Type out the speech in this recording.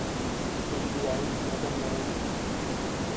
کریبیائی Netherlands